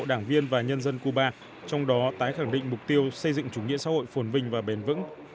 đảng viên và nhân dân cuba trong đó tái khẳng định mục tiêu xây dựng chủ nghĩa xã hội phồn vinh và bền vững